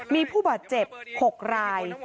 มีผู้บาดเจ็บ๖ราย